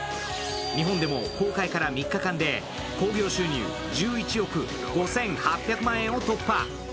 日本でも公開から３日間で興行収入１１億５８００万円を突破。